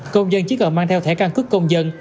công dân chỉ cần mang theo thẻ căn cước công dân